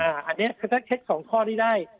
อ่าอันนี้จะเช็คสองข้อที่ได้